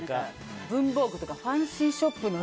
文房具とかファンシーショップのね。